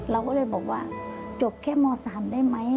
เราก็เลยบอกว่าจบแค่ม๓ได้ไหม